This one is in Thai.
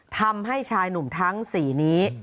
ทำให้ชายหนุ่มทั้ง๔นี้